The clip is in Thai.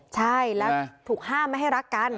ใช่แล้วถูกห้ามไม่ให้รักกัน